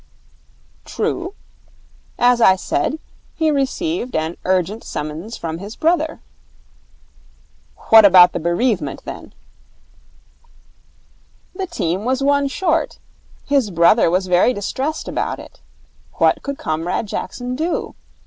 'True. As I said, he received an urgent summons from his brother.' 'What about the bereavement, then?' 'The team was one short. His brother was very distressed about it. What could Comrade Jackson do?